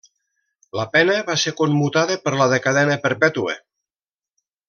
La pena va ser commutada per la de cadena perpètua.